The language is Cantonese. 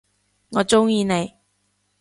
我中意你！